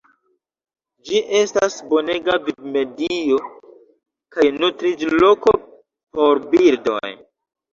Ĝi estas bonega vivmedio kaj nutriĝloko por birdoj.